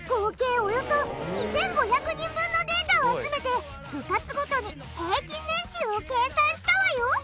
およそ２５００人分のデータを集めて部活ごとに平均年収を計算したわよ。